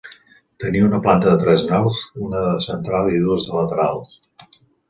Tenia una planta de tres naus, una de central i dues de laterals.